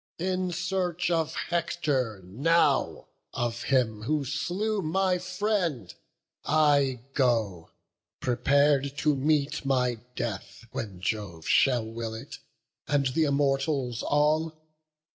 In search of Hector now, of him who slew My friend, I go; prepar'd to meet my death, When Jove shall will it, and th' Immortals all.